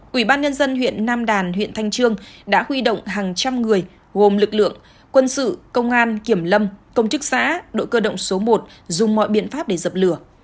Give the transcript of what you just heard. quỹ ban nhân dân huyện nam đàn huyện thanh trương đã huy động hàng trăm người gồm lực lượng quân sự công an kiểm lâm công chức xã đội cơ động số một dùng mọi biện pháp để dập lửa